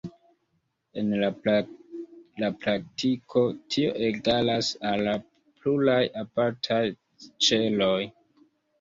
En la praktiko, tio egalas al pluraj apartaj ĉeloj.